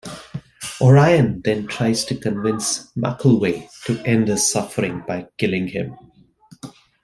O'Ryan then tries to convince Mackelway to end his suffering by killing him.